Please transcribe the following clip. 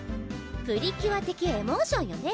プリキュア的エモーションよね。